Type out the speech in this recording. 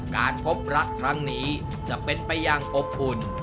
การพบรักครั้งนี้จะเป็นไปอย่างอบอุ่น